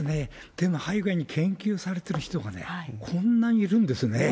でも、ああいう具合に研究されてる方がこんなにいるんですね。